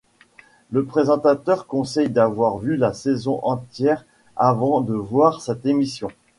Le présentateur conseille d'avoir vu la saison entière avant de voir cette émission.